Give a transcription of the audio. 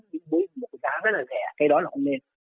với một giá rất là rẻ cái đó là không nên